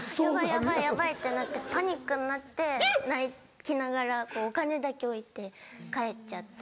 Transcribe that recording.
ヤバいヤバいってなってパニックになって泣きながらお金だけ置いて帰っちゃって。